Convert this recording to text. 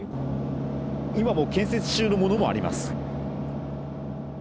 今も建設中のものもあります。